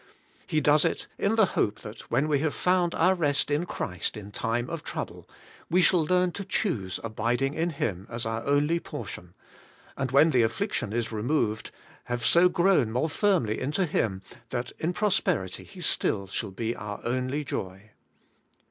He does it in the hope that, when we have found our rest in Christ in time of trouble, we shall learn to choose abiding in Him as our o.nly portion; and when the affliction is removed, have so grown more firmly into Him, that in prosperity He still shall be our only joy.